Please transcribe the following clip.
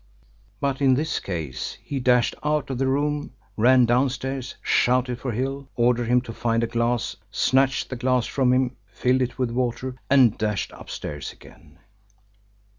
But in this case he dashed out of the room, ran downstairs, shouted for Hill, ordered him to find a glass, snatched the glass from him, filled it with water, and dashed upstairs again.